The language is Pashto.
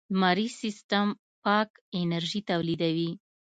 لمریز سیستم پاک انرژي تولیدوي.